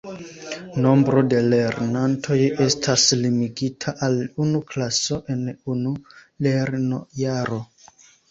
Nombro de lernantoj estas limigita al unu klaso en unu lernojaro.